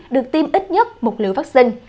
được tiêm ít nhất một liệu vaccine